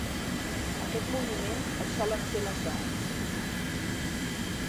Aquest moviment el solen fer les dones.